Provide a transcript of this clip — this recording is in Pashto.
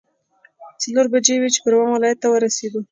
څلور بجې وې چې پروان ولايت ته ورسېدو.